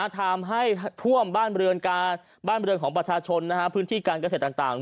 ทำให้ท่วมบ้านเรือนบ้านบริเวณของประชาชนพื้นที่การเกษตรต่าง